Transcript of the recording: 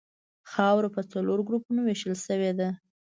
خاوره په څلورو ګروپونو ویشل شوې ده